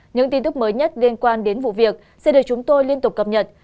những tin tức mới nhất liên quan đến vụ việc sẽ được chúng tôi liên tục cập nhật